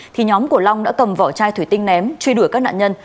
thì nhóm của long đã cầm vỏ chai thủy tinh ném truy đuổi các nạn nhân